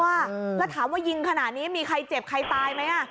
แล้วถามว่ายิงขนาดนี้มีใครเจ็บใครตายไหม